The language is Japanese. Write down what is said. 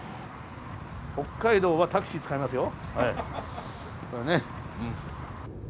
北海道はタクシー使いますよ。